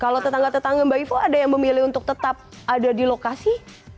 kalau tetangga tetangga mbak ivo ada yang memilih untuk tetap ada di lokasi